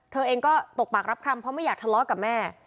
เธอเองก็ตกปากรับคำเพราะไม่อยากทะเลาะกับแม่